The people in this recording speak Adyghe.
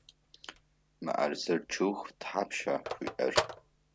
Мыӏэрысэ чъыг тхьапша шъуиӏэр?